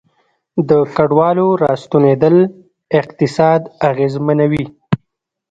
د کډوالو راستنیدل اقتصاد اغیزمنوي